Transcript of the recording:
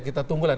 kita tunggu lah